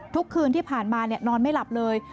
ทุกคืนที่ผ่านมานอนไม่หลับเลย